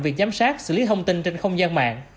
việc giám sát xử lý thông tin trên không gian mạng